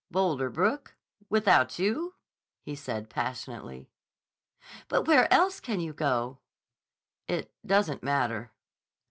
"Boulder Brook—without you?" he said passionately. "But where else can you go?" "It doesn't matter."